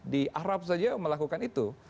di arab saja melakukan itu